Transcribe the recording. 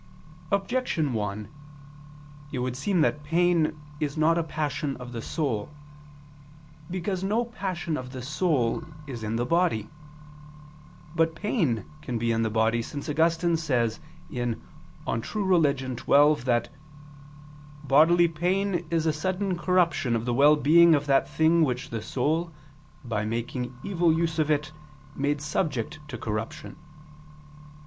Objection 1: It would seem that pain is not a passion of the soul. Because no passion of the soul is in the body. But pain can be in the body, since Augustine says (De Vera Relig. xii), that "bodily pain is a sudden corruption of the well being of that thing which the soul, by making evil use of it, made subject to corruption."